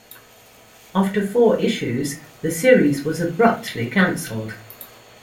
After four issues, the series was abruptly cancelled.